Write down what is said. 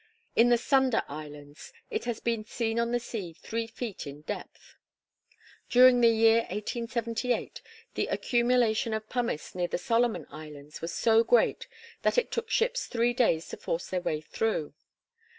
In the Sunda Islands it has been seen on the sea three feet in depth. During the year 1878 the accumulation of pumice near the Solomon Isles was so great that it took ships three days to force their way through.